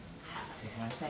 すいません。